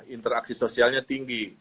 interaksi sosialnya tinggi